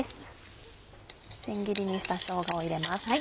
千切りにしたしょうがを入れます。